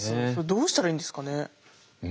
どうしたらいいんですかね？